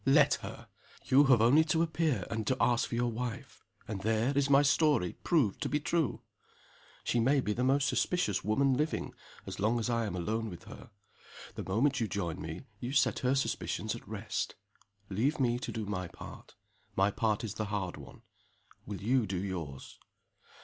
Let her! You have only to appear, and to ask for your wife and there is my story proved to be true! She may be the most suspicious woman living, as long as I am alone with her. The moment you join me, you set her suspicions at rest. Leave me to do my part. My part is the hard one. Will you do yours?"